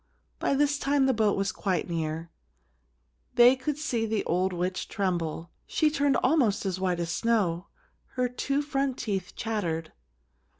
By this time the boat was quite near. They could see the old witch tremble. She turned almost as white as snow. Her two front teeth chattered.